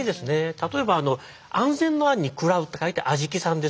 例えば安全の「安」に「喰らう」と書いて安喰さんですとか。